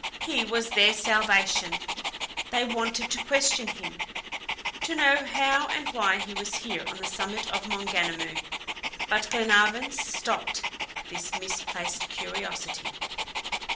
He was their salvation. They wanted to question him; to know how and why he was here on the summit of Maunganamu; but Glenarvan stopped this misplaced curiosity.